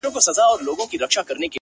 • پر هوښ راغی ته وا مړی را ژوندی سو ,